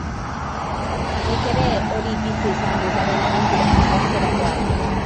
Nik ere hori bizi izan dut haren abenturak marrazterakoan.